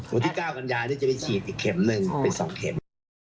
วันที่๙กันยาจะไปฉีดอีกเข็มหนึ่งเป็น๒เข็ม